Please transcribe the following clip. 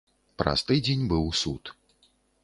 Праз тыдзень быў суд.